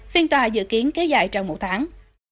phiên tòa dự kiến kéo dài trong một tháng